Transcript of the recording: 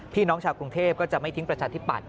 พี่น้องชาวกรุงเทพก็จะไม่ทิ้งประชาธิปัตย